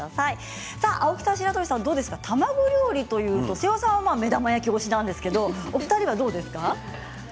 青木さん、白鳥さん卵料理というと瀬尾さんは目玉焼き推しですがお二人はどうですか？